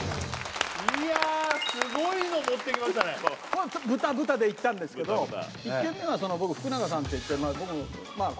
いやすごいの持ってきましたね豚豚でいったんですけど１軒目はその僕福長さんっていって僕のまあ